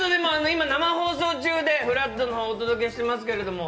今、生放送中で、「＃ふらっと」の方お届けしていますけど。